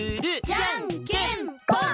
じゃんけんぽん！